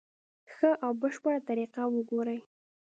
ښه او بشپړه طریقه وګوري.